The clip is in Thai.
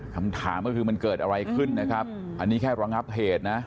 คำถามก็คือมันเกิดอะไรขึ้นนะครับอันนี้แค่ระงับเหตุนะ